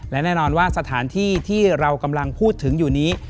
และแน่นอนว่าสถานที่ที่เรากำลังพูดถึงอยู่นี้